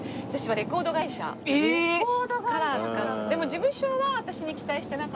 レコード会社から。